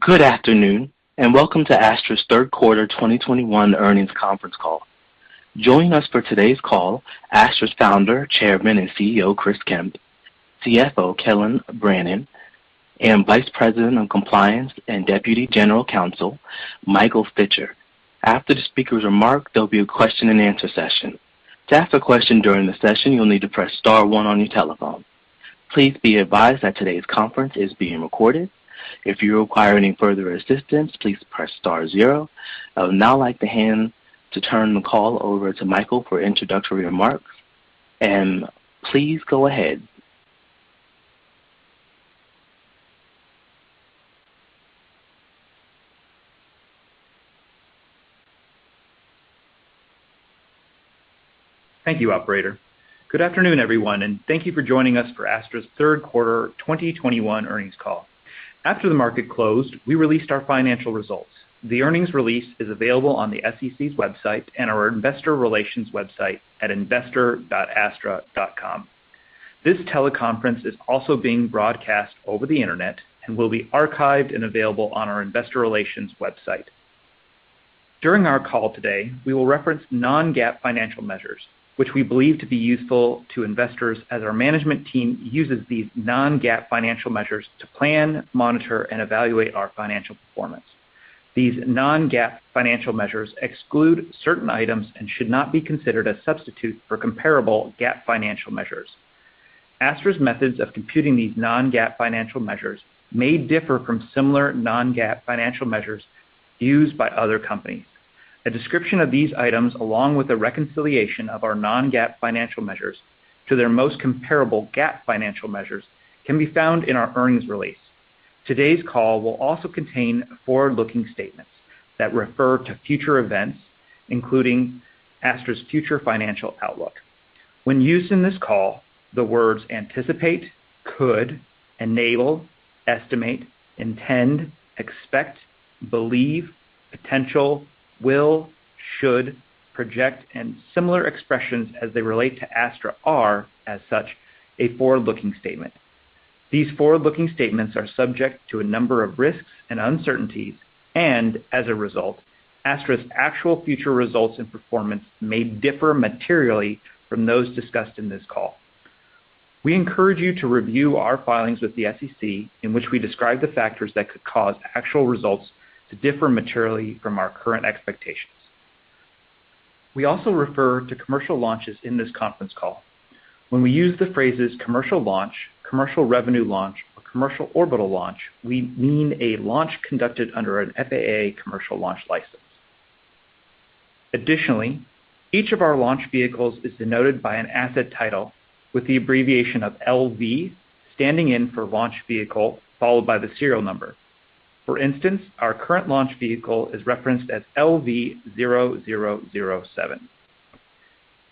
Good afternoon, and welcome to Astra's Third Quarter 2021 Earnings Conference Call. Joining us for today's call, Astra's founder, chairman, and CEO, Chris Kemp; CFO Kelyn Brannon; and Vice President of Compliance and Deputy General Counsel Michael Stitcher. After the speakers remark, there'll be a question-and-answer session. To ask a question during the session, you'll need to press star one on your telephone. Please be advised that today's conference is being recorded. If you require any further assistance, please press star zero. I would now like to turn the call over to Michael for introductory remarks. Please go ahead. Thank you, operator. Good afternoon, everyone, and thank you for joining us for Astra's Third Quarter 2021 Earnings Call. After the market closed, we released our financial results. The earnings release is available on the SEC's website and our investor relations website at investor.astra.com. This teleconference is also being broadcast over the internet and will be archived and available on our investor relations website. During our call today, we will reference non-GAAP financial measures which we believe to be useful to investors as our management team uses these non-GAAP financial measures to plan, monitor, and evaluate our financial performance. These non-GAAP financial measures exclude certain items and should not be considered a substitute for comparable GAAP financial measures. Astra's methods of computing these non-GAAP financial measures may differ from similar non-GAAP financial measures used by other companies. A description of these items along with a reconciliation of our non-GAAP financial measures to their most comparable GAAP financial measures can be found in our earnings release. Today's call will also contain forward-looking statements that refer to future events, including Astra's future financial outlook. When used in this call, the words anticipate, could, enable, estimate, intend, expect, believe, potential, will, should, project, and similar expressions as they relate to Astra are, as such, a forward-looking statement. These forward-looking statements are subject to a number of risks and uncertainties, and as a result, Astra's actual future results and performance may differ materially from those discussed in this call. We encourage you to review our filings with the SEC, in which we describe the factors that could cause actual results to differ materially from our current expectations. We also refer to commercial launches in this conference call. When we use the phrases commercial launch, commercial revenue launch, or commercial orbital launch, we mean a launch conducted under an FAA commercial launch license. Additionally, each of our launch vehicles is denoted by an asset title with the abbreviation of LV standing in for launch vehicle, followed by the serial number. For instance, our current launch vehicle is referenced as LV0007.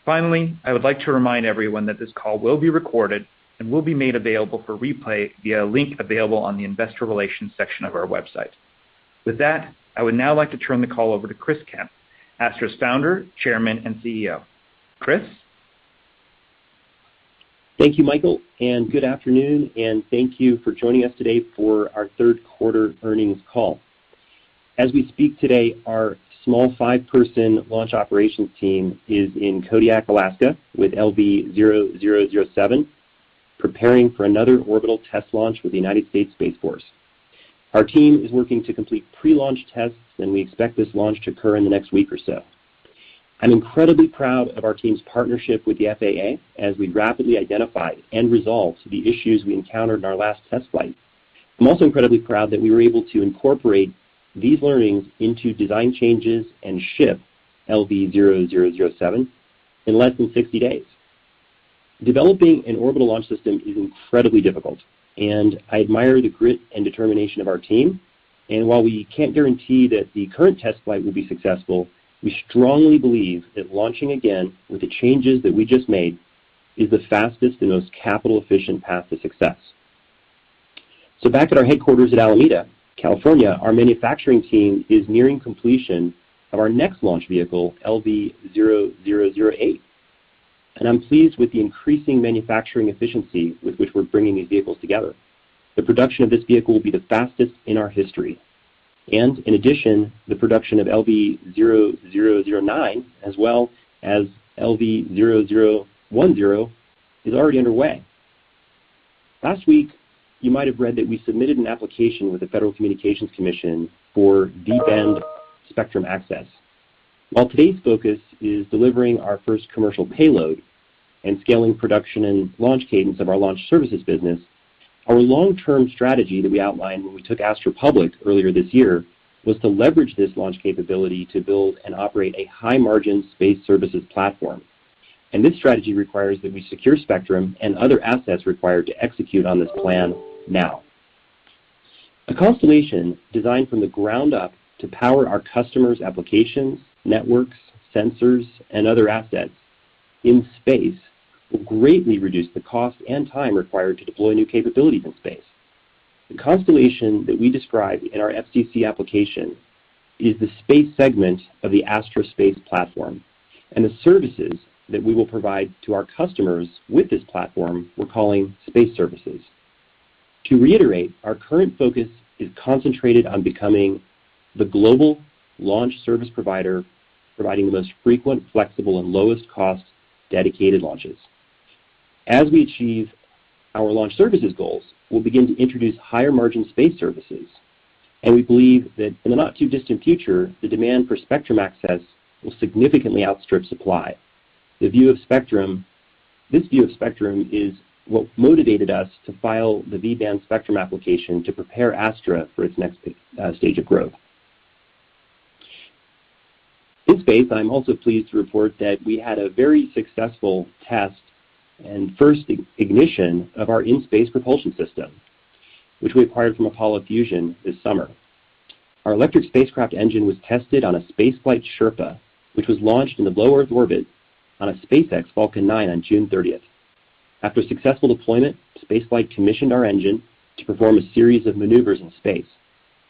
Finally, I would like to remind everyone that this call will be recorded and will be made available for replay via a link available on the investor relations section of our website. With that, I would now like to turn the call over to Chris Kemp, Astra's Founder, Chairman, and CEO. Chris. Thank you, Michael, and good afternoon, and thank you for joining us today for our Third Quarter Earnings Call. As we speak today, our small five-person launch operations team is in Kodiak, Alaska, with LV0007, preparing for another orbital test launch with the United States Space Force. Our team is working to complete pre-launch tests, and we expect this launch to occur in the next week or so. I'm incredibly proud of our team's partnership with the FAA as we rapidly identified and resolved the issues we encountered in our last test flight. I'm also incredibly proud that we were able to incorporate these learnings into design changes and ship LV0007 in less than 60 days. Developing an orbital launch system is incredibly difficult, and I admire the grit and determination of our team. While we can't guarantee that the current test flight will be successful, we strongly believe that launching again with the changes that we just made is the fastest and most capital-efficient path to success. Back at our headquarters at Alameda, California, our manufacturing team is nearing completion of our next launch vehicle, LV0008. I'm pleased with the increasing manufacturing efficiency with which we're bringing these vehicles together. The production of this vehicle will be the fastest in our history. In addition, the production of LV0009 as well as LV0010 is already underway. Last week, you might have read that we submitted an application with the Federal Communications Commission for V-band spectrum access. While today's focus is delivering our first commercial payload and scaling production and launch cadence of our launch services business, our long-term strategy that we outlined when we took Astra public earlier this year was to leverage this launch capability to build and operate a high-margin space services platform. This strategy requires that we secure spectrum and other assets required to execute on this plan now. A constellation designed from the ground up to power our customers' applications, networks, sensors, and other assets in space will greatly reduce the cost and time required to deploy new capabilities in space. The constellation that we describe in our FCC application is the space segment of the Astra Space platform and the services that we will provide to our customers with this platform, we're calling space services. To reiterate, our current focus is concentrated on becoming the global launch service provider, providing the most frequent, flexible, and lowest cost dedicated launches. As we achieve our launch services goals, we'll begin to introduce higher margin space services, and we believe that in the not-too-distant future, the demand for spectrum access will significantly outstrip supply. This view of spectrum is what motivated us to file the V-band spectrum application to prepare Astra for its next stage of growth. In space, I'm also pleased to report that we had a very successful test and first ignition of our in-space propulsion system, which we acquired from Apollo Fusion this summer. Our electric spacecraft engine was tested on a Spaceflight Sherpa, which was launched in the Low Earth Orbit on a SpaceX Falcon 9 on June 30th. After successful deployment, Spaceflight commissioned our engine to perform a series of maneuvers in space.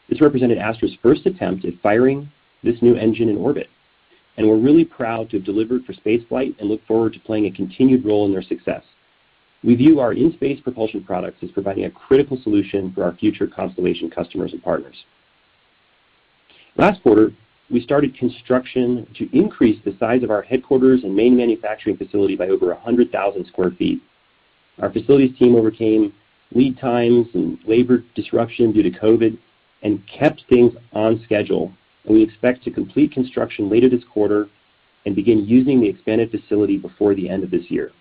This represented Astra's first attempt at firing this new engine in orbit, and we're really proud to have delivered for Spaceflight and look forward to playing a continued role in their success. We view our in-space propulsion products as providing a critical solution for our future constellation customers and partners. Last quarter, we started construction to increase the size of our headquarters and main manufacturing facility by over 100,000 sq ft. Our facilities team overcame lead times and labor disruption due to COVID and kept things on schedule. We expect to complete construction later this quarter and begin using the expanded facility before the end of this year.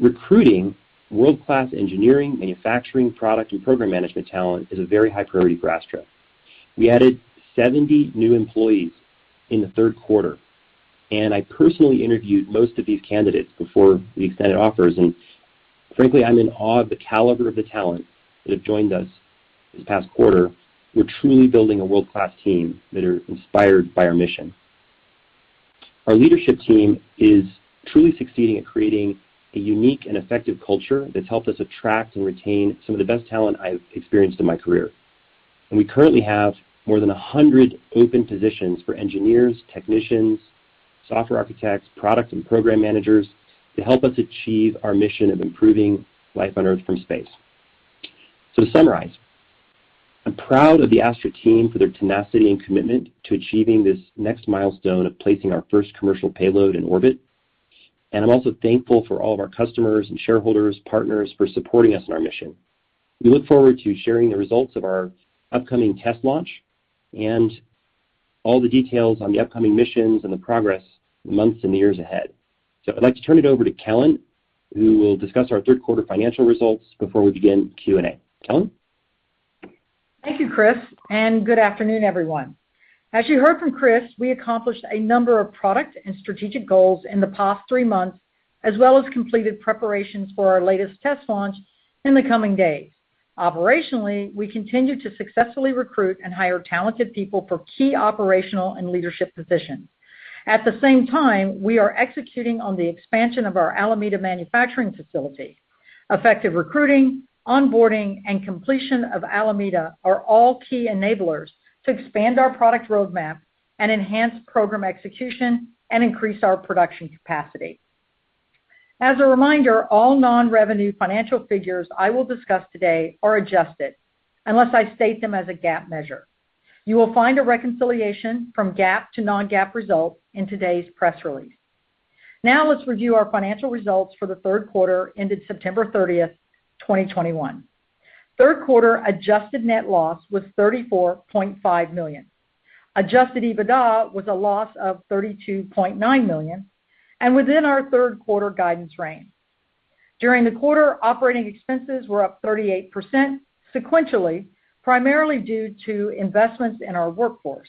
Recruiting world-class engineering, manufacturing, product, and program management talent is a very high priority for Astra. We added 70 new employees in the third quarter, and I personally interviewed most of these candidates before we extended offers. Frankly, I'm in awe of the caliber of the talent that have joined us this past quarter. We're truly building a world-class team that are inspired by our mission. Our leadership team is truly succeeding at creating a unique and effective culture that's helped us attract and retain some of the best talent I've experienced in my career. We currently have more than 100 open positions for engineers, technicians, software architects, product and program managers to help us achieve our mission of improving life on Earth from space. To summarize, I'm proud of the Astra team for their tenacity and commitment to achieving this next milestone of placing our first commercial payload in orbit. I'm also thankful for all of our customers and shareholders, partners for supporting us in our mission. We look forward to sharing the results of our upcoming test launch and all the details on the upcoming missions and the progress in the months and years ahead. I'd like to turn it over to Kelyn, who will discuss our third quarter financial results before we begin the Q&A. Kelyn? Thank you, Chris, and good afternoon, everyone. As you heard from Chris, we accomplished a number of product and strategic goals in the past three months, as well as completed preparations for our latest test launch in the coming days. Operationally, we continue to successfully recruit and hire talented people for key operational and leadership positions. At the same time, we are executing on the expansion of our Alameda manufacturing facility. Effective recruiting, onboarding, and completion of Alameda are all key enablers to expand our product roadmap and enhance program execution and increase our production capacity. As a reminder, all non-revenue financial figures I will discuss today are adjusted unless I state them as a GAAP measure. You will find a reconciliation from GAAP to non-GAAP results in today's press release. Now let's review our financial results for the third quarter ended September 30, 2021. Third quarter adjusted net loss was $34.5 million. Adjusted EBITDA was a loss of $32.9 million and within our third quarter guidance range. During the quarter, operating expenses were up 38% sequentially, primarily due to investments in our workforce.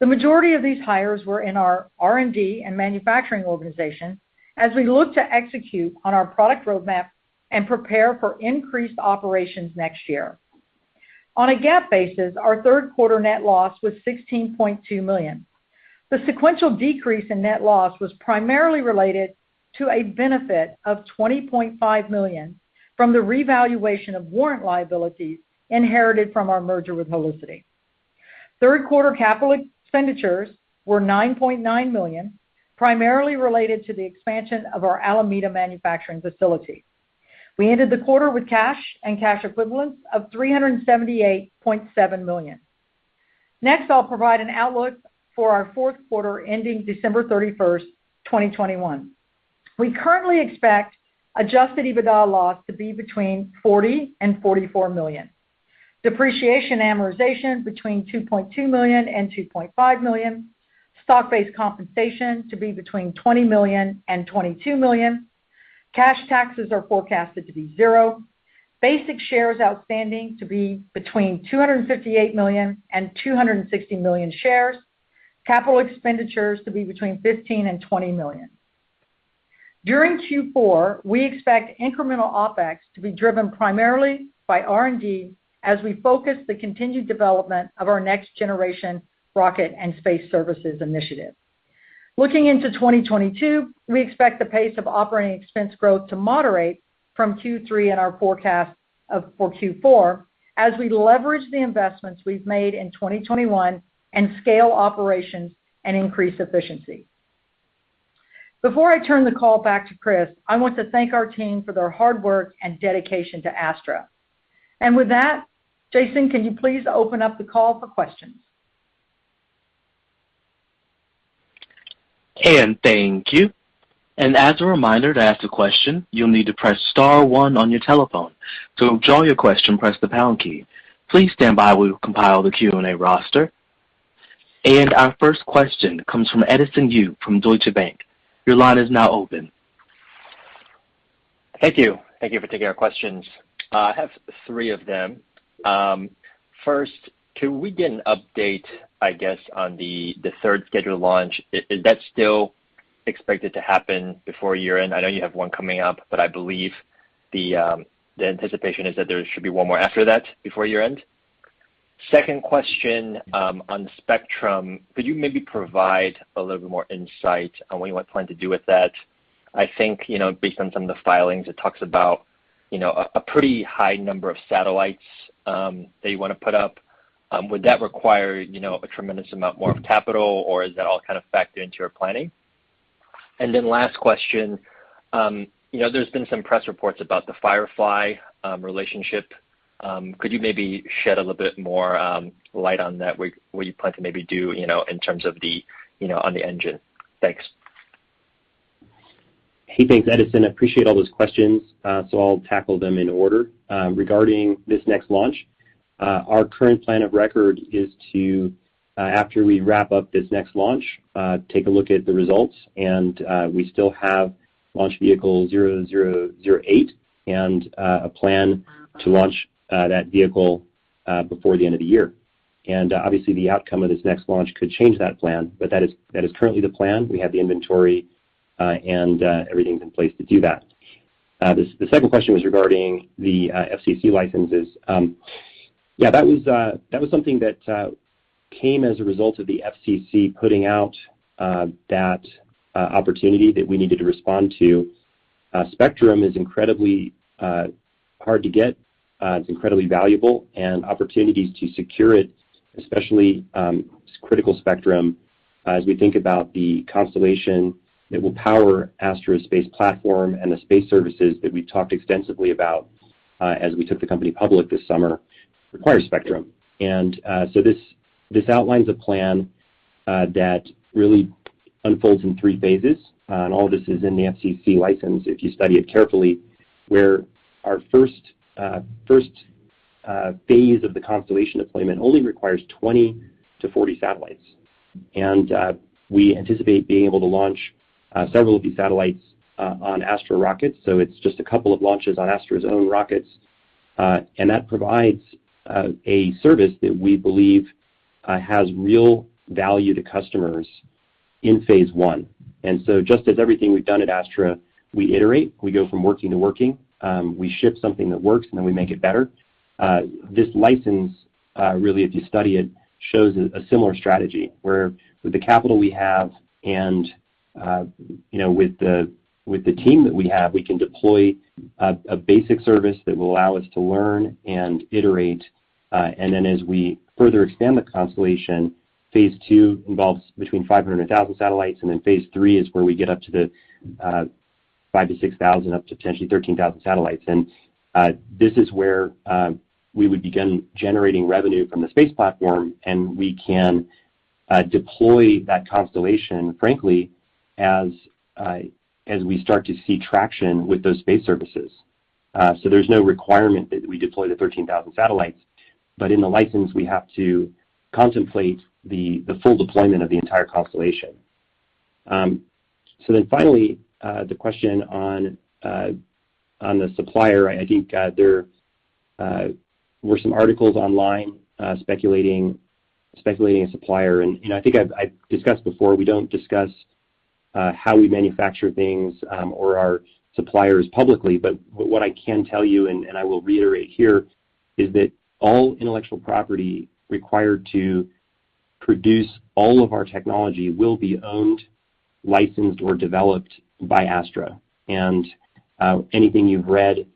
The majority of these hires were in our R&D and manufacturing organization as we look to execute on our product roadmap and prepare for increased operations next year. On a GAAP basis, our third quarter net loss was $16.2 million. The sequential decrease in net loss was primarily related to a benefit of $20.5 million from the revaluation of warrant liabilities inherited from our merger with Holicity. Third quarter capital expenditures were $9.9 million, primarily related to the expansion of our Alameda manufacturing facility. We ended the quarter with cash and cash equivalents of $378.7 million. Next, I'll provide an outlook for our fourth quarter ending December 31, 2021. We currently expect adjusted EBITDA loss to be between $40 million-$44 million. Depreciation and amortization between $2.2 million-$2.5 million. Stock-based compensation to be between $20 million-$22 million. Cash taxes are forecasted to be $0. Basic shares outstanding to be between 258 million-260 million shares. Capital expenditures to be between $15 million-$20 million. During Q4, we expect incremental OpEx to be driven primarily by R&D as we focus the continued development of our next generation rocket and space services initiative. Looking into 2022, we expect the pace of operating expense growth to moderate from Q3 in our forecast for Q4 as we leverage the investments we've made in 2021 and scale operations and increase efficiency. Before I turn the call back to Chris, I want to thank our team for their hard work and dedication to Astra. With that, Jason, can you please open up the call for questions? Thank you. As a reminder, to ask a question, you'll need to press star one on your telephone. To withdraw your question, press the pound key. Please stand by while we compile the Q&A roster. Our first question comes from Edison Yu from Deutsche Bank. Your line is now open. Thank you. Thank you for taking our questions. I have three of them. First, can we get an update on the third scheduled launch? Is that still expected to happen before year-end? I know you have one coming up, but I believe the anticipation is that there should be one more after that before year-end. Second question on spectrum. Could you maybe provide a little bit more insight on what you are planning to do with that? I think, you know, based on some of the filings, it talks about, you know, a pretty high number of satellites that you wanna put up. Would that require, you know, a tremendous amount more of capital, or is that all kind of factored into your planning? Last question. You know, there's been some press reports about the Firefly relationship. Could you maybe shed a little bit more light on that, what you plan to maybe do, you know, in terms of the, you know, on the engine? Thanks. Hey, thanks, Edison. I appreciate all those questions. I'll tackle them in order. Regarding this next launch, our current plan of record is to, after we wrap up this next launch, take a look at the results. We still have launch vehicle 0008 and a plan to launch that vehicle before the end of the year. Obviously, the outcome of this next launch could change that plan, but that is currently the plan. We have the inventory and everything's in place to do that. The second question was regarding the FCC licenses. Yeah, that was something that came as a result of the FCC putting out that opportunity that we needed to respond to. Spectrum is incredibly hard to get. It's incredibly valuable, and opportunities to secure it, especially, critical spectrum as we think about the constellation that will power Astra's space platform and the space services that we talked extensively about, as we took the company public this summer, require spectrum. This outlines a plan that really unfolds in three phases. All this is in the FCC license if you study it carefully, where our first phase of the constellation deployment only requires 20-40 satellites. We anticipate being able to launch several of these satellites on Astra rockets. It's just a couple of launches on Astra's own rockets. That provides a service that we believe has real value to customers in phase I. Just as everything we've done at Astra, we iterate, we go from working to working. We ship something that works, and then we make it better. This license really, if you study it, shows a similar strategy, where with the capital we have and, you know, with the team that we have, we can deploy a basic service that will allow us to learn and iterate. And then as we further expand the constellation, phase II involves between 500-1,000 satellites, and then phase three is where we get up to the 5,000-6,000, up to potentially 13,000 satellites. This is where we would begin generating revenue from the space platform, and we can deploy that constellation, frankly, as we start to see traction with those space services. There's no requirement that we deploy the 13,000 satellites. In the license, we have to contemplate the full deployment of the entire constellation. Finally, the question on the supplier. I think there were some articles online speculating a supplier. You know, I think I've discussed before, we don't discuss how we manufacture things or our suppliers publicly. What I can tell you, and I will reiterate here, is that all intellectual property required to produce all of our technology will be owned, licensed, or developed by Astra. Anything you've read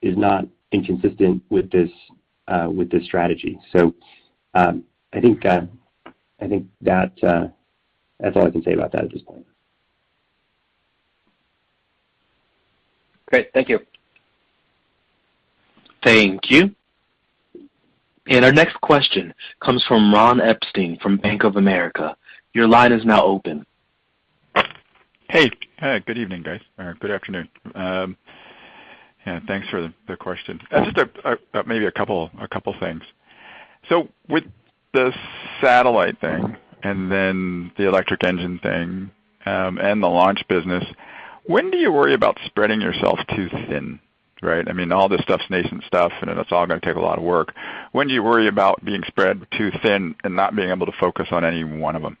is not inconsistent with this strategy. I think that's all I can say about that at this point. Great. Thank you. Thank you. Our next question comes from Ron Epstein from Bank of America. Your line is now open. Hey. Good evening, guys, or good afternoon. Thanks for the question. Just maybe a couple things. With the satellite thing and then the electric engine thing, and the launch business, when do you worry about spreading yourself too thin, right? I mean, all this stuff's nascent stuff, and it's all gonna take a lot of work. When do you worry about being spread too thin and not being able to focus on any one of them?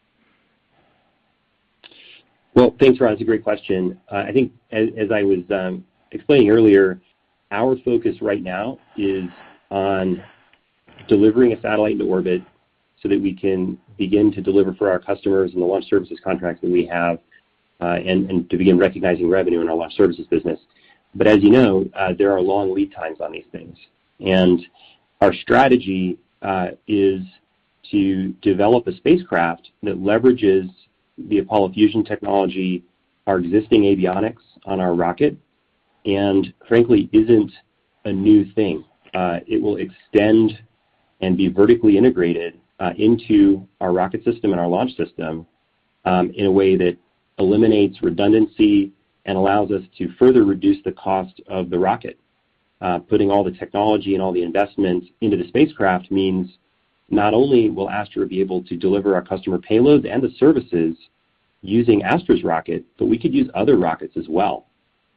Well, thanks, Ron. It's a great question. I think as I was explaining earlier, our focus right now is on delivering a satellite into orbit so that we can begin to deliver for our customers and the launch services contract that we have, and to begin recognizing revenue in our launch services business. But as you know, there are long lead times on these things. Our strategy is to develop a spacecraft that leverages the Apollo Fusion technology, our existing avionics on our rocket, and frankly, isn't a new thing. It will extend and be vertically integrated into our rocket system and our launch system, in a way that eliminates redundancy and allows us to further reduce the cost of the rocket. Putting all the technology and all the investments into the spacecraft means not only will Astra be able to deliver our customer payloads and the services using Astra's rocket, but we could use other rockets as well.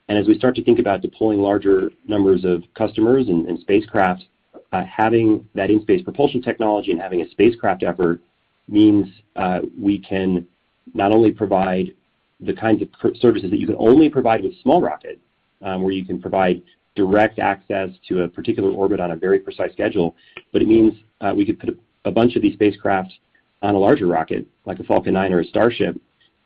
As we start to think about deploying larger numbers of customers and spacecraft, having that in-space propulsion technology and having a spacecraft effort means we can not only provide the kinds of services that you can only provide with small rocket, where you can provide direct access to a particular orbit on a very precise schedule, but it means we could put a bunch of these spacecraft on a larger rocket, like a Falcon 9 or a Starship,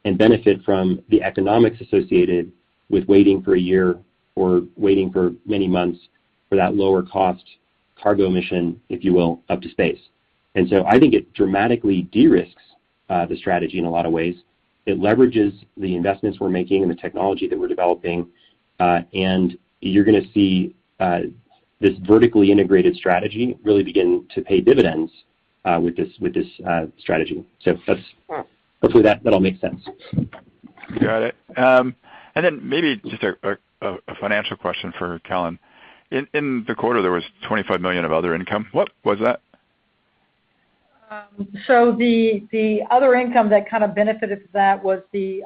and benefit from the economics associated with waiting for a year or waiting for many months for that lower cost cargo mission, if you will, up to space. I think it dramatically de-risks the strategy in a lot of ways. It leverages the investments we're making and the technology that we're developing. You're gonna see this vertically integrated strategy really begin to pay dividends with this strategy. That's hopefully that all makes sense. Got it. Maybe just a financial question for Kelyn. In the quarter, there was $25 million of other income. What was that? The other income that kind of benefited that was the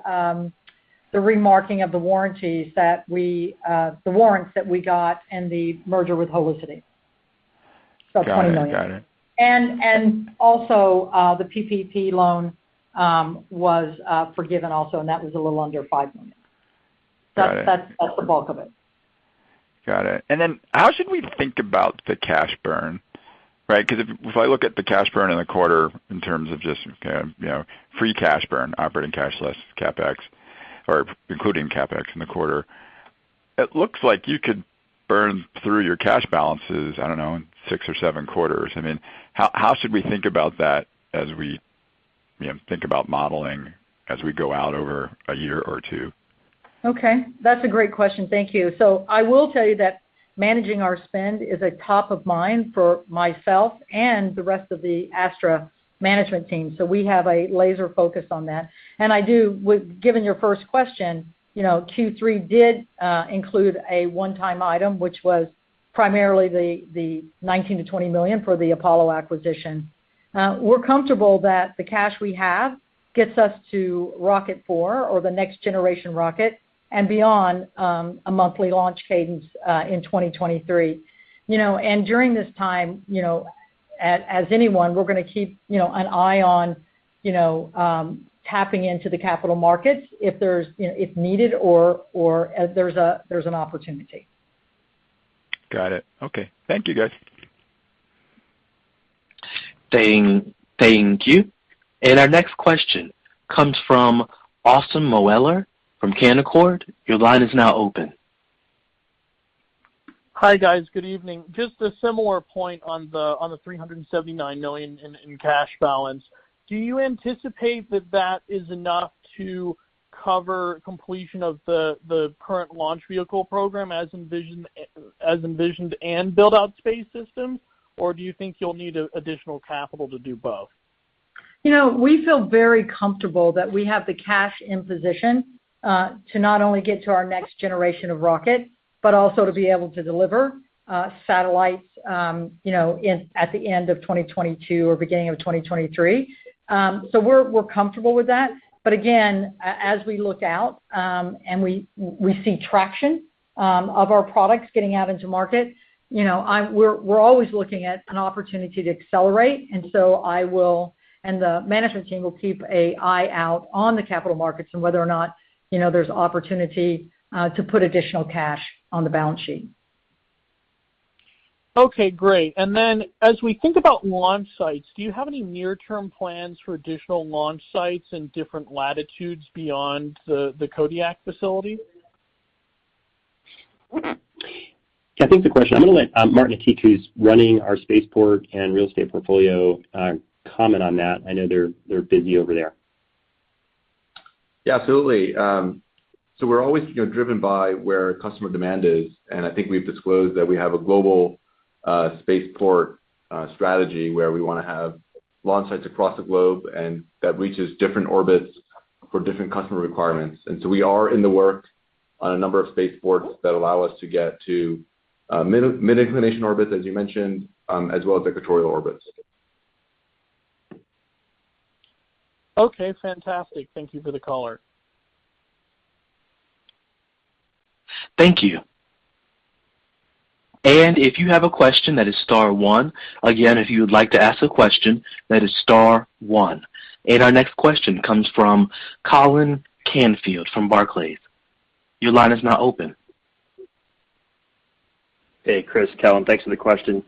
remarketing of the warrants that we got in the merger with Holicity $20 million. Got it. Got it. The PPP loan was forgiven also, and that was a little under $5 million. Got it. That's the bulk of it. Got it. How should we think about the cash burn, right? Because if I look at the cash burn in the quarter in terms of just, you know, free cash burn, operating cash less CapEx, or including CapEx in the quarter, it looks like you could burn through your cash balances, I don't know, in six or seven quarters. I mean, how should we think about that as we, you know, think about modeling as we go out over a year or two? Okay. That's a great question. Thank you. I will tell you that managing our spend is a top of mind for myself and the rest of the Astra Management Team. We have a laser focus on that. Given your first question, you know, Q3 did include a one-time item, which was primarily the $19 million-$20 million for the Apollo acquisition. We're comfortable that the cash we have gets us to Rocket 4 or the next generation rocket and beyond, a monthly launch cadence in 2023. You know, and during this time, you know, as anyone, we're gonna keep an eye on tapping into the capital markets if needed or there's an opportunity. Got it. Okay. Thank you, guys. Thank you. Our next question comes from Austin Moeller from Canaccord. Your line is now open. Hi, guys. Good evening. Just a similar point on the $379 million in cash balance. Do you anticipate that is enough to cover completion of the current launch vehicle program as envisioned and build out space systems? Or do you think you'll need additional capital to do both? You know, we feel very comfortable that we have the cash in position to not only get to our next generation of rocket, but also to be able to deliver satellites, you know, at the end of 2022 or beginning of 2023. We're comfortable with that. But again, as we look out, and we see traction of our products getting out into market, you know, we're always looking at an opportunity to accelerate. I will, and the Management Team will keep an eye out on the capital markets and whether or not, you know, there's opportunity to put additional cash on the balance sheet. Okay, great. As we think about launch sites, do you have any near-term plans for additional launch sites and different latitudes beyond the Kodiak facility? I'm gonna let Martin Attiq, who's running our spaceport and real estate portfolio, comment on that. I know they're busy over there. Yeah, absolutely. We're always, you know, driven by where customer demand is, and I think we've disclosed that we have a global spaceport strategy where we wanna have launch sites across the globe and that reaches different orbits for different customer requirements. We're in the works on a number of spaceports that allow us to get to mid-inclination orbits, as you mentioned, as well as equatorial orbits. Okay, fantastic. Thank you for the color. Thank you. If you have a question, that is star one. Again, if you would like to ask a question, that is star one. Our next question comes from Colin Canfield from Barclays. Your line is now open. Hey, Chris Kemp. Thanks for the question.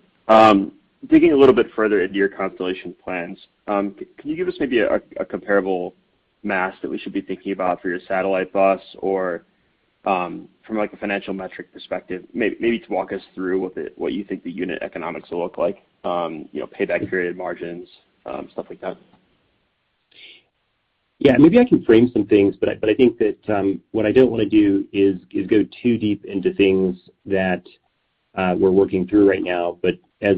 Digging a little bit further into your constellation plans, can you give us maybe a comparable mass that we should be thinking about for your satellite bus or, from like a financial metric perspective, maybe to walk us through what you think the unit economics will look like, you know, payback period margins, stuff like that. Yeah. Maybe I can frame some things, but I think that what I don't wanna do is go too deep into things that we're working through right now. As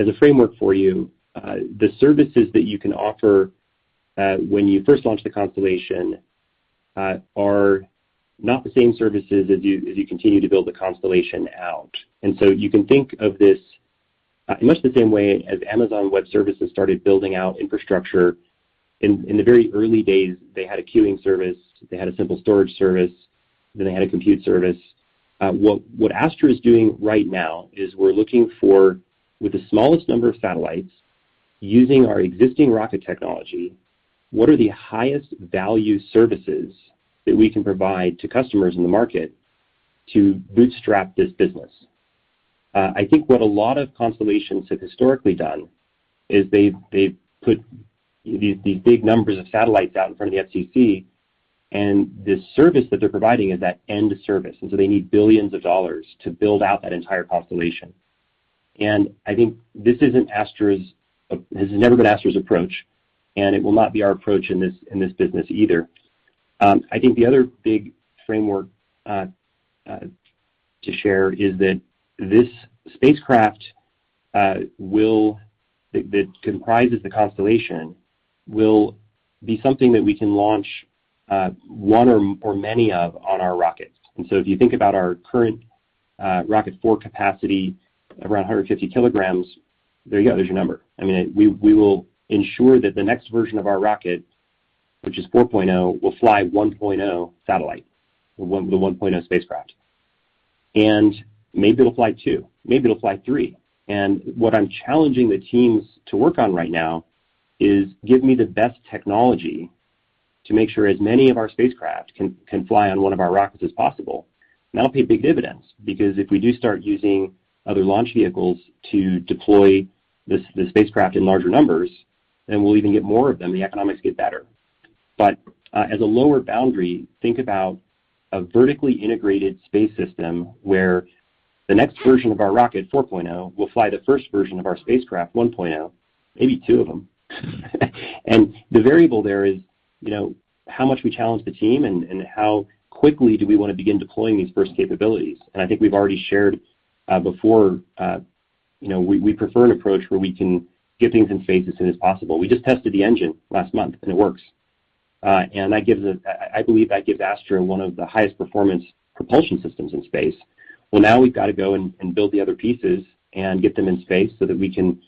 a framework for you, the services that you can offer when you first launch the constellation are not the same services as you continue to build the constellation out. You can think of this in much the same way as Amazon Web Services started building out infrastructure. In the very early days, they had a queuing service, they had a simple storage service, then they had a compute service. What Astra is doing right now is we're looking for, with the smallest number of satellites using our existing rocket technology, what are the highest value services that we can provide to customers in the market to bootstrap this business? I think what a lot of constellations have historically done is they've put these big numbers of satellites out in front of the FCC, and the service that they're providing is that end service, and so they need billions of dollars to build out that entire constellation. I think this has never been Astra's approach, and it will not be our approach in this business either. I think the other big framework to share is that this spacecraft will. That comprises the constellation will be something that we can launch one or many of on our rockets. If you think about our current Rocket 4 capacity around 150 kg, there you go, there's your number. I mean, we will ensure that the next version of our rocket, which is 4.0, will fly 1.0 satellite, well, the 1.0 spacecraft. Maybe it'll fly two, maybe it'll fly three. What I'm challenging the teams to work on right now is give me the best technology to make sure as many of our spacecraft can fly on one of our rockets as possible. That'll pay big dividends because if we do start using other launch vehicles to deploy this, the spacecraft in larger numbers, then we'll even get more of them, the economics get better. As a lower boundary, think about a vertically integrated space system where the next version of our Rocket 4.0 will fly the first version of our spacecraft, 1.0, maybe two of them. The variable there is, you know, how much we challenge the team and how quickly do we wanna begin deploying these first capabilities. I think we've already shared, before, you know, we prefer an approach where we can get things in phase as soon as possible. We just tested the engine last month and it works. That gives a. I believe that gives Astra one of the highest performance propulsion systems in space. Well, now we've got to go and build the other pieces and get them in space so that we can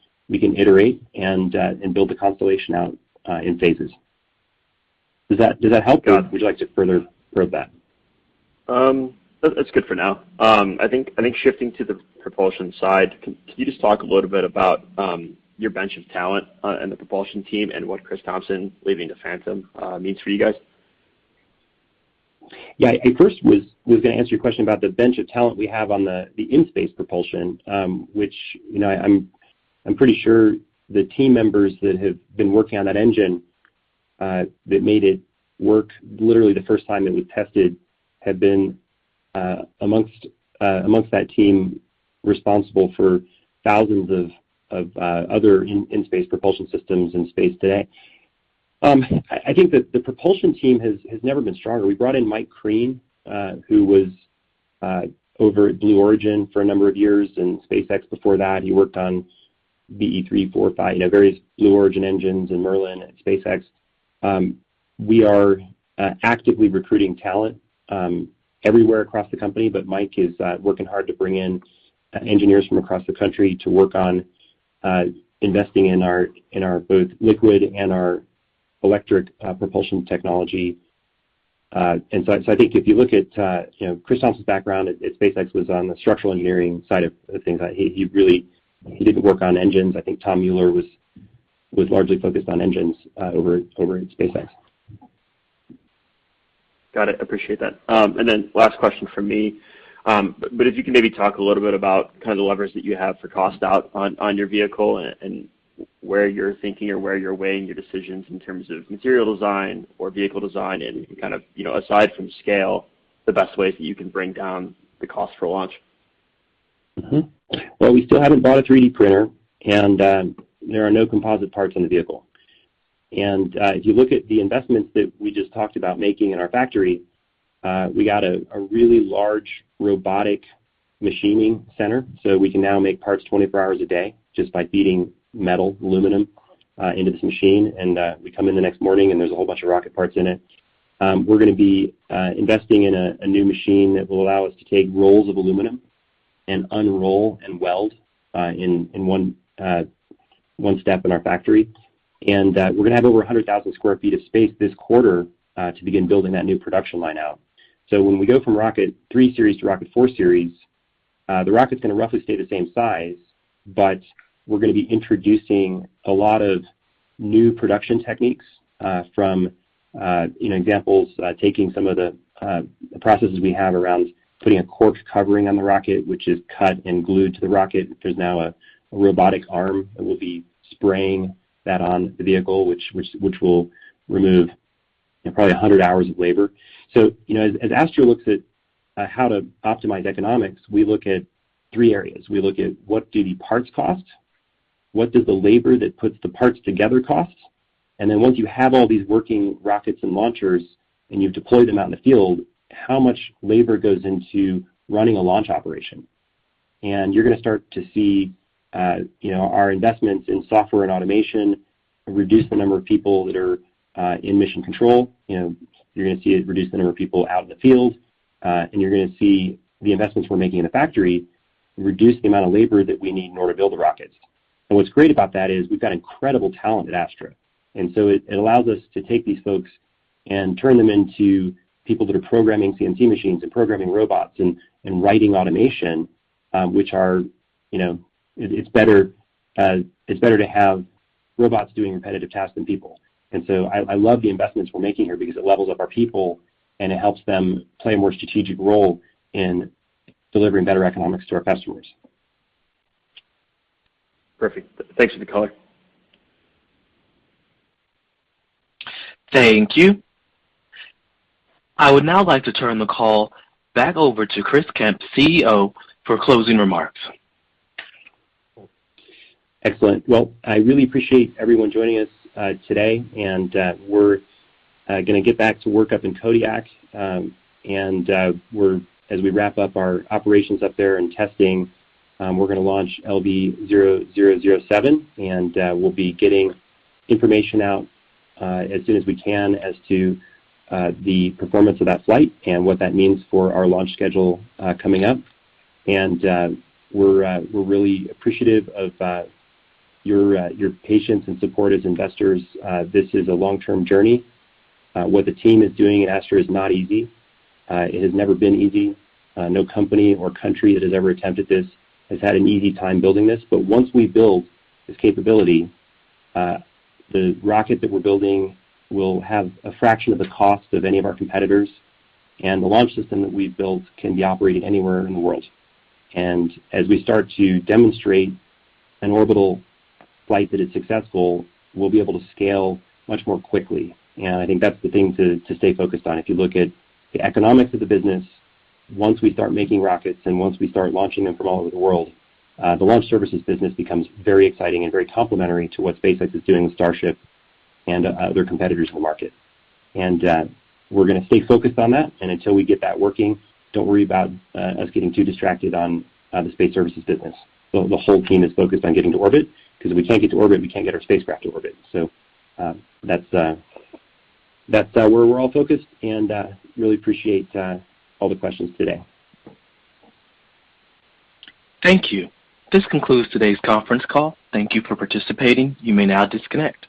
iterate and build the constellation out in phases. Does that help, Scott? Would you like to further probe that? That's good for now. I think shifting to the propulsion side, can you just talk a little bit about your bench of talent and the propulsion team and what Chris Thompson leaving to Phantom means for you guys? Yeah. I was gonna answer your question about the bench of talent we have on the in-space propulsion, which, you know, I'm pretty sure the team members that have been working on that engine that made it work literally the first time that we tested had been amongst that team responsible for thousands of other in-space propulsion systems in space today. I think that the propulsion team has never been stronger. We brought in Mike Krene, who was over at Blue Origin for a number of years and SpaceX before that. He worked on BE-3, 4, 5, you know, various Blue Origin engines and Merlin at SpaceX. We are actively recruiting talent everywhere across the company, but Mike is working hard to bring in engineers from across the country to work on investing in our both liquid and our electric propulsion technology. I think if you look at you know, Chris Thompson's background at SpaceX was on the structural engineering side of things. He really didn't work on engines. I think Tom Mueller was largely focused on engines over at SpaceX. Got it. Appreciate that. Last question from me. If you can maybe talk a little bit about kind of the levers that you have for cost out on your vehicle and where you're thinking or where you're weighing your decisions in terms of material design or vehicle design and kind of, you know, aside from scale, the best ways that you can bring down the cost for launch. Well, we still haven't bought a 3D printer, and there are no composite parts in the vehicle. If you look at the investments that we just talked about making in our factory, we got a really large robotic machining center. We can now make parts 24 hours a day just by feeding metal, aluminum, into this machine. We come in the next morning and there's a whole bunch of rocket parts in it. We're gonna be investing in a new machine that will allow us to take rolls of aluminum and unroll and weld in one step in our factory. We're gonna have over 100,000 sq ft of space this quarter to begin building that new production line out. When we go from Rocket 3 series to Rocket 4 series, the rocket's gonna roughly stay the same size, but we're gonna be introducing a lot of new production techniques, for e.g., taking some of the processes we have around putting a cork covering on the rocket, which is cut and glued to the rocket. There's now a robotic arm that will be spraying that on the vehicle, which will remove probably 100 hours of labor. You know, as Astra looks at how to optimize economics, we look at three areas. We look at what do the parts cost, what does the labor that puts the parts together cost, and then once you have all these working rockets and launchers, and you've deployed them out in the field, how much labor goes into running a launch operation? You're gonna start to see, you know, our investments in software and automation reduce the number of people that are in mission control, and you're gonna see it reduce the number of people out in the field, and you're gonna see the investments we're making in the factory reduce the amount of labor that we need in order to build the rockets. What's great about that is we've got incredible talent at Astra. It allows us to take these folks and turn them into people that are programming CNC machines and programming robots and writing automation, which are, you know. It's better to have robots doing repetitive tasks than people. I love the investments we're making here because it levels up our people, and it helps them play a more strategic role in delivering better economics to our customers. Perfect. Thanks for the color. Thank you. I would now like to turn the call back over to Chris Kemp, CEO, for closing remarks. Excellent. Well, I really appreciate everyone joining us today, and we're gonna get back to work up in Kodiak. As we wrap-up our operations up there and testing, we're gonna launch LV0007, and we'll be getting information out as soon as we can as to the performance of that flight and what that means for our launch schedule coming up. We're really appreciative of your patience and support as investors. This is a long-term journey. What the team is doing at Astra is not easy. It has never been easy. No company or country that has ever attempted this has had an easy time building this. Once we build this capability, the rocket that we're building will have a fraction of the cost of any of our competitors, and the launch system that we've built can be operating anywhere in the world. As we start to demonstrate an orbital flight that is successful, we'll be able to scale much more quickly. I think that's the thing to stay focused on. If you look at the economics of the business, once we start making rockets and once we start launching them from all over the world, the launch services business becomes very exciting and very complementary to what SpaceX is doing with Starship and other competitors in the market. We're gonna stay focused on that, and until we get that working, don't worry about us getting too distracted on the space services business. The whole team is focused on getting to orbit, because if we can't get to orbit, we can't get our spacecraft to orbit. That's where we're all focused, and I really appreciate all the questions today. Thank you. This concludes today's conference call. Thank you for participating. You may now disconnect.